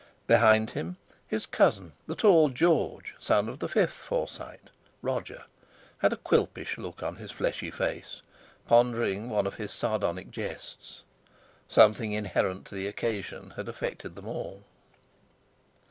Behind him his cousin, the tall George, son of the fifth Forsyte, Roger, had a Quilpish look on his fleshy face, pondering one of his sardonic jests. Something inherent to the occasion had affected them all.